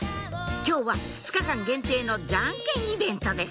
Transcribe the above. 今日は２日間限定のジャンケンイベントです